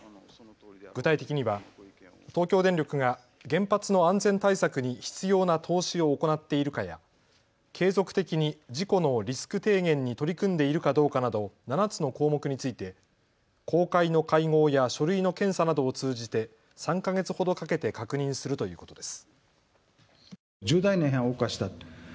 具体的には東京電力が原発の安全対策に必要な投資を行っているかや、継続的に事故のリスク低減に取り組んでいるかどうかなど７つの項目について公開の会合や書類の検査などを通じて３か月ほどかけて確認するということです。